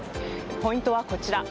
ポイントはこちら。